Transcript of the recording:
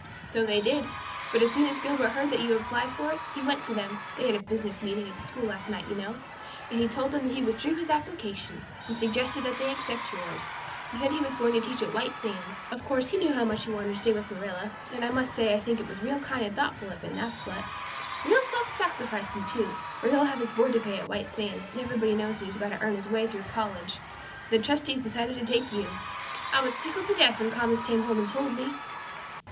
"So they did. But as soon as Gilbert heard that you had applied for it he went to them they had a business meeting at the school last night, you know and told them that he withdrew his application, and suggested that they accept yours. He said he was going to teach at White Sands. Of course he knew how much you wanted to stay with Marilla, and I must say I think it was real kind and thoughtful in him, that's what. Real self sacrificing, too, for he'll have his board to pay at White Sands, and everybody knows he's got to earn his own way through college. So the trustees decided to take you. I was tickled to death when Thomas came home and told me."